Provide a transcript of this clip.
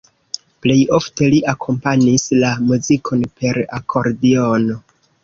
Plej ofte li akompanis la muzikon per akordiono.